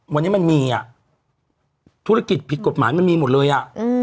วันนี้มันมีอ่ะธุรกิจผิดกฎหมายมันมีหมดเลยอ่ะ